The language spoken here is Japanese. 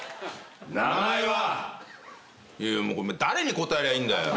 誰に答えりゃいいんだよ？